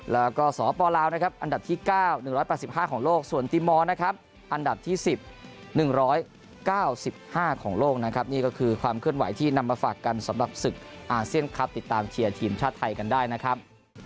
แล้วก็สปลาวนะครับอันดับที่๙๑๘๕ของโลกส่วนทีมมอร์นะครับอันดับที่๑๑๙๕ของโลกนะครับนี่ก็คือความเคลื่อนไหวที่นำมาฝากกันสำหรับศึกอาเซียนคลับติดตามเชียร์ทีมชาติไทยกันได้นะครับ